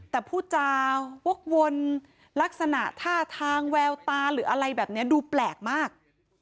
แต่ผู้จาวกวนลักษณะท่าทางแววตาหรืออะไรแบบนี้ดูแปลกมาก